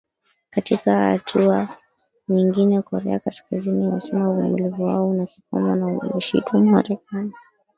katika hatua nyingine korea kaskazini imesema uvumilivu wao una kikomo na ameishutumu marekani